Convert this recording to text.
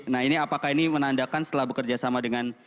nah ini apakah ini menandakan setelah bekerja sama dengan